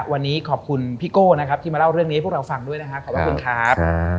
วันนี้ขอบคุณพี่โก้นะครับที่มาเล่าเรื่องนี้ให้พวกเราฟังด้วยนะครับขอบคุณครับ